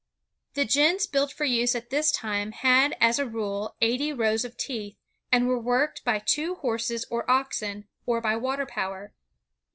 The gins built for use at this time had as a rule eighty rows of teeth, and were worked by two horses or oxen, or by water power.